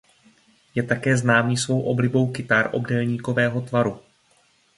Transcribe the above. Je také známý svou oblibou kytar obdélníkového tvaru.